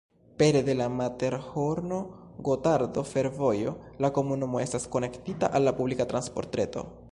Pere de la Materhorno-Gotardo-Fervojo la komunumo estas konektita al la publika transportreto.